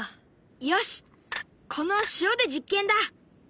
よしこの塩で実験だ。